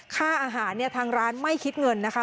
ฆ่าอาหารทางร้านไม่คิดเงินนะคะ